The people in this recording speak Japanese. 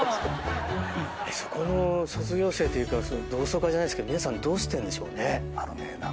そこの卒業生っていうか同窓会じゃないですけど皆さんどうしてるんでしょうね？